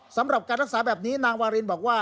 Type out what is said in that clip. สำหรับการรักษาแบบนี้นางวารินบอกว่า